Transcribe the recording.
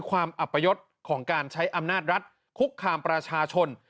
อัปยศของการใช้อำนาจรัฐคุกคามประชาชน